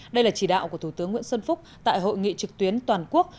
đây là chỉ đạo của thủ tướng nguyễn xuân phúc tại hội nghị trực tuyến toàn quốc